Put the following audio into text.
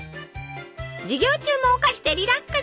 授業中もお菓子でリラックス！